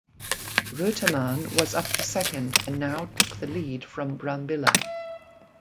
Reutemann was up to second, and now took the lead from Brambilla.